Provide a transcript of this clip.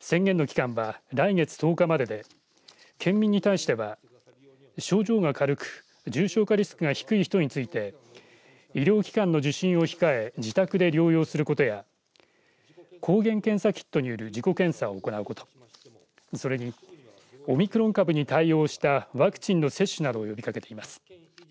宣言の期間は来月１０日までで県民に対しては症状が軽く重症化リスクが低い人について医療機関の受診を控え自宅で療養することや抗原検査キットによる自己検査を行うことそれにオミクロン株に対応したワクチンの接種などを呼びかけています。